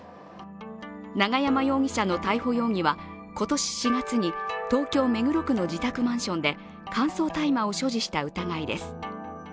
永山容疑者の逮捕容疑は今年４月に東京・目黒区の自宅マンションで乾燥大麻を所持した疑いです。